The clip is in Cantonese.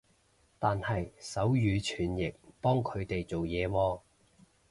但係手語傳譯幫佢哋做嘢喎